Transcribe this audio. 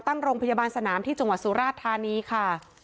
ตั้งโรงพยาบาลสนามที่จังหวัดสุราชธานีค่ะ